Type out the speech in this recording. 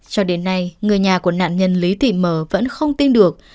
cho đến nay người nhà của nạn nhân lý thị mờ vẫn không tin được